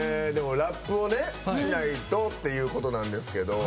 ラップをしないとということなんですけど。